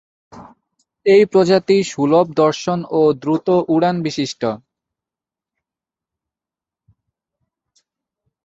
এই প্রজাতি সুলভ দর্শন ও দ্রুত উড়ান বিশিষ্ট।